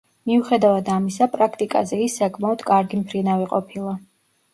მიუხედავად ამისა, პრაქტიკაზე ის საკმაოდ კარგი მფრინავი ყოფილა.